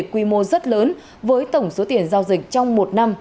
quy mô rất lớn với tổng số tiền giao dịch trong một năm